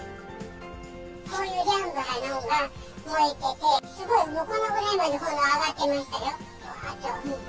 こういうジャンパーが燃えてて、すごいこのぐらいまで炎上がってましたよ。